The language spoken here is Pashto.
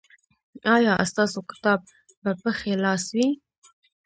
ایا ستاسو کتاب به په ښي لاس وي؟